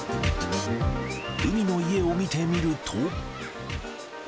海の家を見てみると。